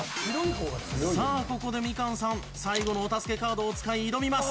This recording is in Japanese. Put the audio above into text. さあここでみかんさん最後のお助けカードを使い挑みます。